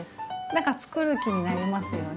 だからつくる気になりますよね。